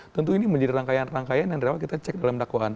tentu ini menjadi rangkaian rangkaian yang dapat kita cek dalam dakwaan